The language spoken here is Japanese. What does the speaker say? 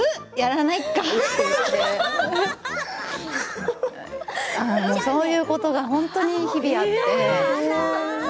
笑い声そういうことが本当に日々あって。